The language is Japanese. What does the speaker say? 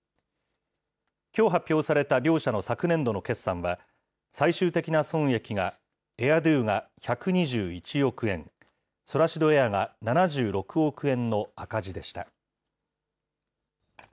きょう発表された両社の昨年度の決算は、最終的な損益が、エア・ドゥが１２１億円、ソラシドエアが７６億円の赤字でした。